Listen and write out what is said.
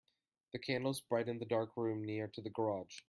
The candles brightened the dark room near to the garage.